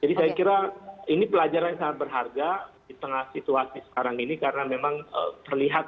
jadi saya kira ini pelajaran yang sangat berharga di tengah situasi sekarang ini karena memang terlihat